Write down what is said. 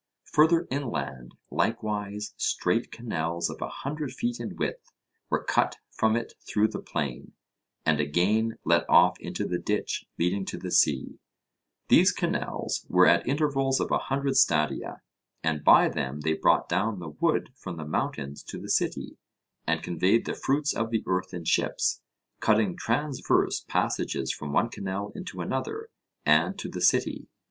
Further inland, likewise, straight canals of a hundred feet in width were cut from it through the plain, and again let off into the ditch leading to the sea: these canals were at intervals of a hundred stadia, and by them they brought down the wood from the mountains to the city, and conveyed the fruits of the earth in ships, cutting transverse passages from one canal into another, and to the city.